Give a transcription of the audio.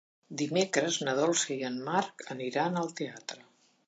Dimecres na Dolça i en Marc aniran al teatre.